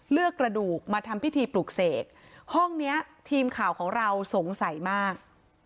กระดูกมาทำพิธีปลูกเสกห้องเนี้ยทีมข่าวของเราสงสัยมาก